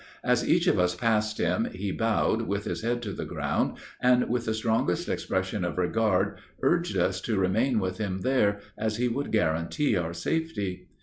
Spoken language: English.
As each of us passed him, he bowed, with his head to the ground, and with the strongest expression of regard, urged us to remain with him there, as he would guarantee our safety.